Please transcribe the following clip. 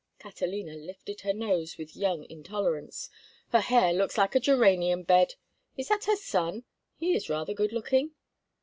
Catalina lifted her nose with young intolerance. "Her hair looks like a geranium bed. Is that her son? He is rather good looking."